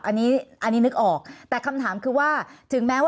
อันนี้อันนี้นึกออกแต่คำถามคือว่าถึงแม้ว่า